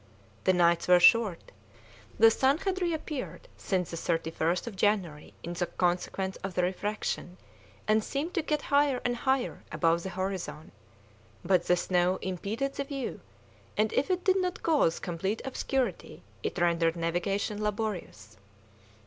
The nights were short; the sun had reappeared since the 31st of January in consequence of the refraction, and seemed to get higher and higher above the horizon. But the snow impeded the view, and if it did not cause complete obscurity it rendered navigation laborious.